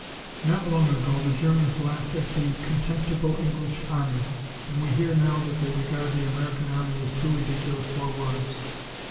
"Not long ago the Germans laughed at the 'contemptible English Army,' and we hear now that they regard the American Army as 'too ridiculous for words.'